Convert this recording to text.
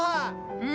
うん？